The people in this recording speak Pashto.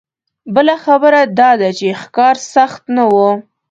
بله خبره دا ده چې ښکار سخت نه و.